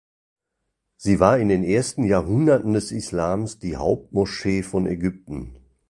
Sie war in den ersten Jahrhunderten des Islams die Hauptmoschee von Ägypten.